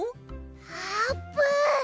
あーぷん！